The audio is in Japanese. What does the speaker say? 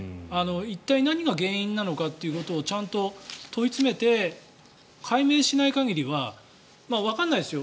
一体、何が原因なのかっていうことをちゃんと問い詰めて解明しない限りはわからないですよ